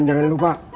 kalian jangan lupa